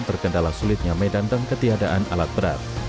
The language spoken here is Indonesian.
terkendala sulit nyamai dan dengan ketiadaan alat berat